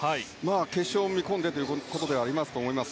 決勝を見込んでのことではあると思います。